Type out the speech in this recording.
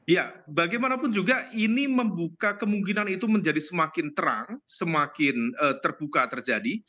ya bagaimanapun juga ini membuka kemungkinan itu menjadi semakin terang semakin terbuka terjadi